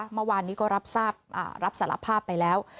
เมื่อวานนี้ก็รับสารภาพไปแล้ว